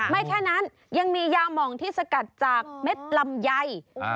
แค่นั้นยังมียาหมองที่สกัดจากเม็ดลำไย